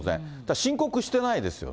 申告してないですよね。